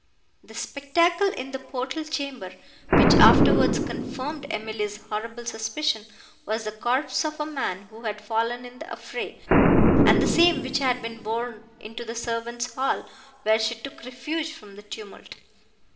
The spectacle in the portal chamber, which afterwards confirmed Emily's horrible suspicion, was the corpse of a man, who had fallen in the affray, and the same which had been borne into the servants' hall, where she took refuge from the tumult.